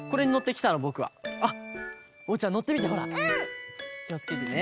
きをつけてね！